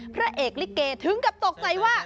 พระเอกลิเกถึงกับตกใจว่า